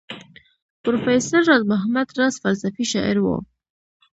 پروفیسر راز محمد راز فلسفي شاعر وو.